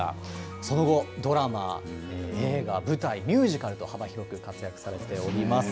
その後、ドラマ、映画、舞台、ミュージカルと、幅広く活躍されております。